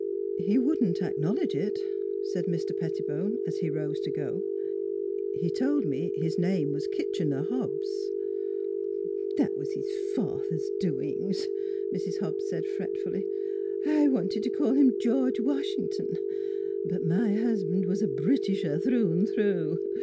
" He wouldn't acknowledge it," said Mr. Petti bone, as he rose to go. " He told me his name was Kitchener Hobbs." " That was his father's doings," Mrs. Hobbs said fretfully. " I wanted to call him George Washington; but my husband was a Britisher, through and through.